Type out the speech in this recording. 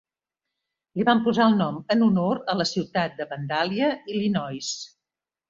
Li van posar el nom en honor a la ciutat de Vandalia (Illinois).